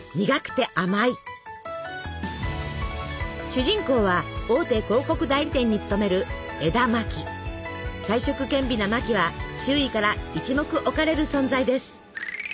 主人公は大手広告代理店に勤める才色兼備なマキは周囲から一目置かれる存在です。